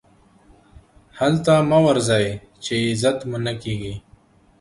هلته مه ورځئ، چي عزت مو نه کېږي.